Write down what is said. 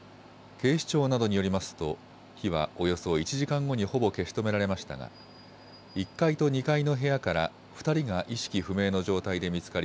警視庁などによりますと火はおよそ１時間後にほぼ消し止められましたが１階と２階の部屋から２人が意識不明の状態で見つかり